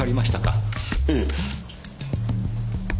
ええ。